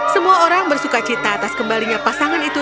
semua orang bersuka cita atas kembalinya pasangan itu